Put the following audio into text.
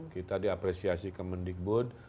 kita diapresiasi ke mendikbud